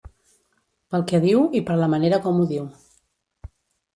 Pel que diu i per la manera com ho diu.